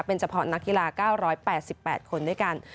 เป็นเฉพาะนักกีฬา๙๘๘คนด้วยกัน